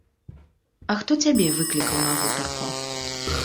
А хто цябе выклікаў на гутарку?